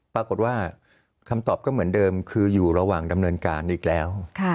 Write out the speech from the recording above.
ปรากฏว่าคำตอบก็เหมือนเดิมคืออยู่ระหว่างดำเนินการอีกแล้ว